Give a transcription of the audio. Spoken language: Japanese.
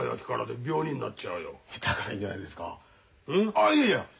あいやいや！